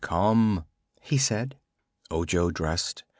"Come," he said. Ojo dressed.